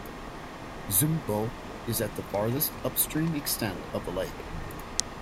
Zumbo is at the farthest upstream extent of the lake.